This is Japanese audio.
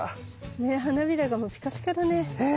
ねえ花びらがもうピカピカだね。